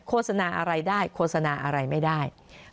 โฆษณาอะไรได้โฆษณาอะไรไม่ได้